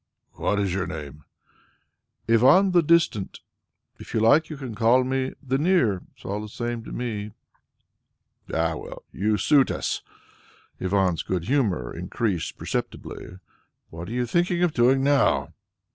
"What is your name?" "Ivan the Distant. If you like you can also call me 'The Near'; it's all the same to me." "Ah well, you suit us." Ivan's good humour increased perceptibly. "And what are you thinking of doing now?"